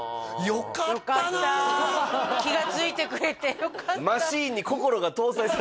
よかった気がついてくれてよかった